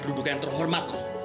kamu bukan c herbert mas